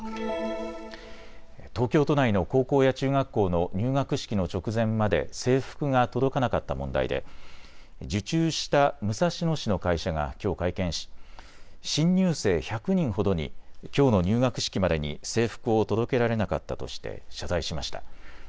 東京都内の高校や中学校の入学式の直前まで制服が届かなかった問題で受注した武蔵野市の会社がきょう会見し新入生１００人ほどにきょうの入学式までに制服を届けられなかったとして謝罪しました。